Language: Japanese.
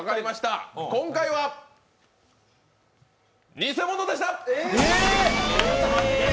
今回は偽物でした！